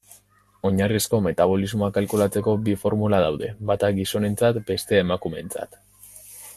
Oinarrizko metabolismoa kalkulatzeko bi formula daude, bata gizonentzat, bestea emakumeentzat.